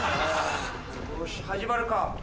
よし始まるか。